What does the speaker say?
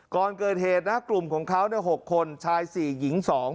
ก่อนเกิดเหตุนะกลุ่มของเขา๖คนชาย๔หญิง๒